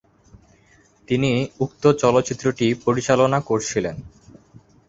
তিনি উক্ত চলচ্চিত্রটি পরিচালনা করছিলেন।